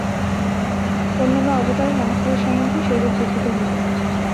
অন্যান্য অবতার ও মহাপুরুষ সম্বন্ধেও সেইরূপ বুঝিতে হইবে।